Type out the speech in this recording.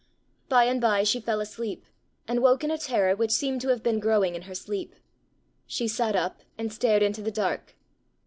By and by she fell asleep, and woke in a terror which seemed to have been growing in her sleep. She sat up, and stared into the dark.